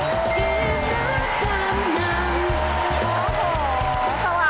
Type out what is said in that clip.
เป็นแบบประจำนำ